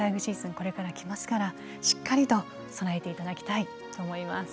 これから来ますからしっかりと備えて頂きたいと思います。